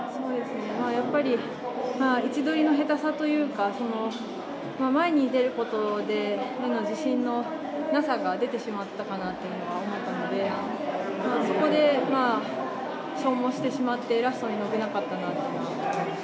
やっぱり位置取りの下手さというか、前に出ることへの自信のなさが出てしまったかなというのは思ったので、そこで消耗してしまって、ラストに伸びなかったなというのは思います。